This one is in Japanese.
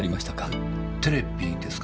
テレビですか？